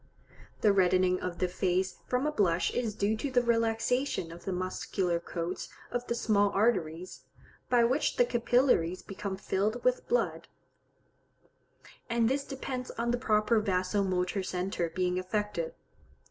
The reddening of the face from a blush is due to the relaxation of the muscular coats of the small arteries, by which the capillaries become filled with blood; and this depends on the proper vaso motor centre being affected.